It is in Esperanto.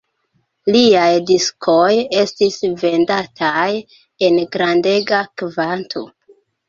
Liaj diskoj estis vendataj en grandega kvanto.